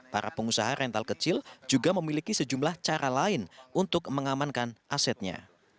para pengusaha rental kecil juga memiliki sejumlah cara lain untuk mengamankan asetnya